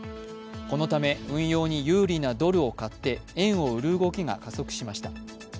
このため運用に有利なドルを買って円を売る動きが加速しました。